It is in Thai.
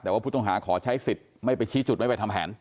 แต่ว่าผู้ต้องหาขอใช้สิทธิ์ไม่ไปชี้จุดไม่ไปทำแผน